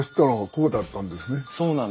そうなんですよ。